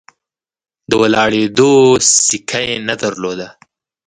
د ولاړېدو سېکه یې نه درلوده.